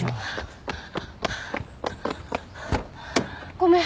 ごめん！